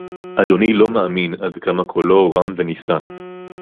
אדוני לא מאמין עד כמה קולו רם ונישא